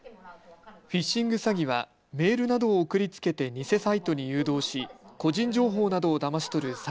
フィッシング詐欺はメールなどを送りつけて偽サイトに誘導し個人情報などをだまし取る